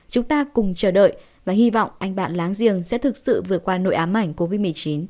chúng ta cùng chờ đợi và hy vọng anh bạn láng giềng sẽ thực sự vượt qua nội ám ảnh covid một mươi chín